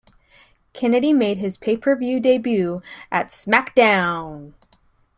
Kennedy made his pay-per-view debut at SmackDown!